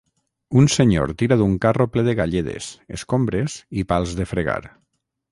Un senyor tira d'un carro ple de galledes, escombres i pals de fregar.